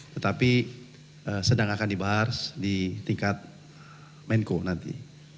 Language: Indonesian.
tetapi sedang akan dibahas di tingkat menko nanti